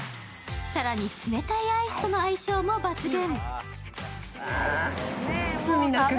更に冷たいアイスとの相性も抜群。